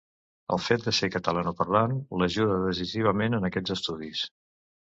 El fet de ser catalanoparlant l'ajudà decisivament en aquests estudis.